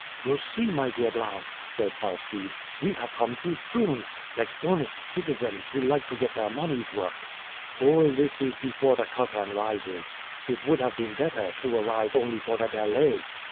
"You see, my dear Blount," said Alcide, "we have come too soon, like honest citizens who like to get their money's worth. All this is before the curtain rises, it would have been better to arrive only for the ballet."